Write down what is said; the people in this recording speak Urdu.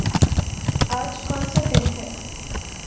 آج کونسا دن ہے؟